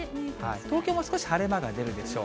東京も少し晴れ間が出るでしょう。